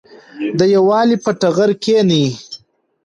د یووالي په ټغر کېنئ.